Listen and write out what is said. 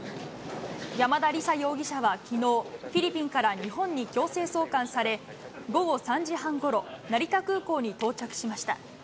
山田李沙容疑者はきのう、フィリピンから日本に強制送還され、午後３時半ごろ、成田空港に到着しました。